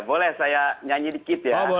boleh saya nyanyi dikit ya